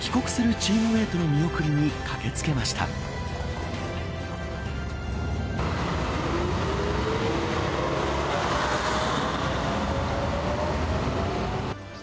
帰国するチームメートの見送りに駆け付けました。